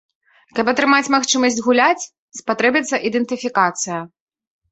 Каб атрымаць магчымасць гуляць, спатрэбіцца ідэнтыфікацыя.